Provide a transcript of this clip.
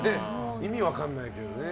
意味分かんないけどね。